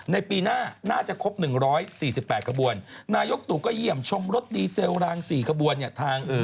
ในปีหน้าน่าจะครบ๑๔๘ขบวนนายกตู่ก็เยี่ยมชมรถดีเซลราง๔ขบวนเนี่ยทาง